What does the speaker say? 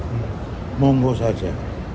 ya munggo saja